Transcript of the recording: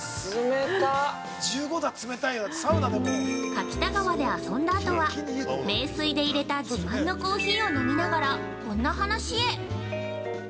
◆柿田川で遊んだあとは名水でいれた自慢のコーヒーを飲みながらこんな話へ。